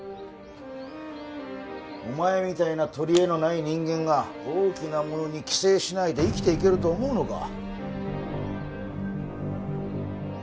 お前みたいな取りえのない人間が大きなものに寄生しないで生きていけると思うのか？